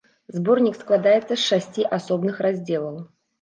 Зборнік складаецца з шасці асобных раздзелаў.